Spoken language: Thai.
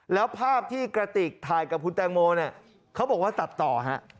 แล้วภาพที่กระติกถ่ายกับคุณแตงโมเนี่ยเขาบอกว่าตัดต่อฮะ